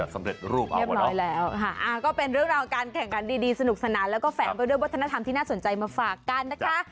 ส่วนใหญ่ใช้แบบสำเร็จรูปเอาเนอะเรียบร้อยแล้ว